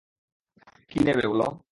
কী নেবে বলো?